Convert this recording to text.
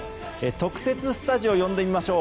特設スタジオ呼んでみましょう。